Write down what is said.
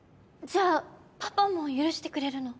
じゃあパパも許してくれるの？